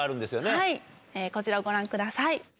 はい、こちらをご覧ください。